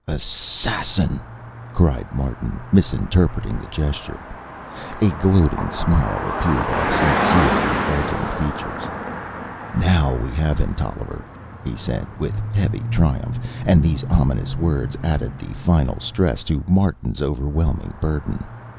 "Assassin!" cried Martin, misinterpreting the gesture. A gloating smile appeared on St. Cyr's revolting features. "Now we have him, Tolliver," he said, with heavy triumph, and these ominous words added the final stress to Martin's overwhelming burden.